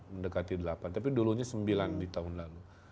mendekati delapan tapi dulunya sembilan di tahun lalu